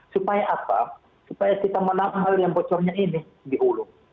supaya apa supaya kita menahan hal yang bocornya ini di hulu